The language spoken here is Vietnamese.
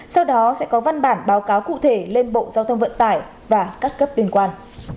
sau đó sẽ có văn bản báo cáo cụ thể lên bộ giao thông vận tải và các cấp liên quan